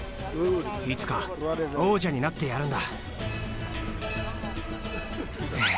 いつか王者になってやるんだ。